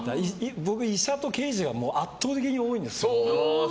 僕、医者と刑事が圧倒的に多いんです。